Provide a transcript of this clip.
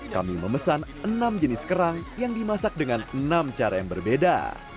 kami memesan enam jenis kerang yang dimasak dengan enam cara yang berbeda